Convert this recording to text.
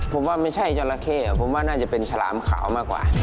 ผมว่าไม่ใช่จราเข้ผมว่าน่าจะเป็นฉลามขาวมากกว่า